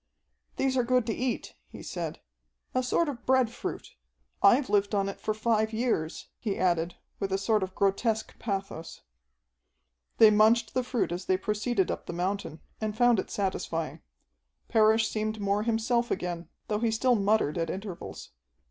"These are good to eat," he said. "A sort of bread fruit. I've lived on it for five years," he added with a sort of grotesque pathos. They munched the fruit as they proceeded up the mountain, and found it satisfying. Parrish seemed more himself again, though he still muttered at intervals.